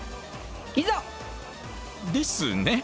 いざ！ですね。